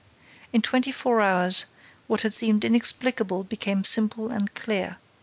In twenty four hours, what had seemed inexplicable became simple and clear.